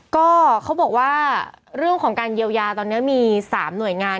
ก็เขาบอกว่าเรื่องของการเยียวยาตอนนี้มี๓หน่วยงาน